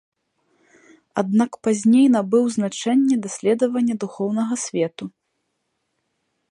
Аднак пазней набыў значэнне даследавання духоўнага свету.